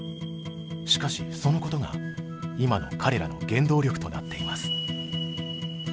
しかしそのことが今の彼らの原動力となっています。